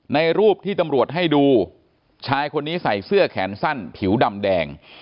ในรูปที่ตำรวจให้ดูชายคนนี้ใส่เสื้อแขนสั้นผิวดำแดง